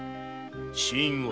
死因は？